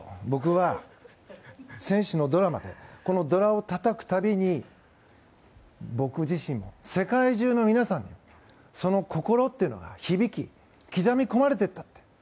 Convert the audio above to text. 僕は選手のドラマでこの銅鑼をたたく度に僕自身世界中の皆さんにその心っていうのが響き刻み込まれていった。